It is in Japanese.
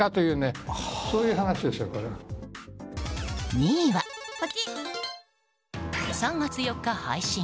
２位は、３月４日配信。